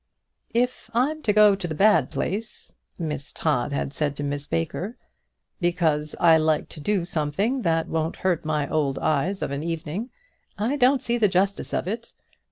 "If I'm to go to the bad place," Miss Todd had said to Miss Baker, "because I like to do something that won't hurt my old eyes of an evening, I don't see the justice of it.